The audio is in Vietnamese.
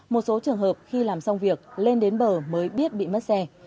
một số trường hợp khi làm xong việc lên đến bờ mới biết bị mất xe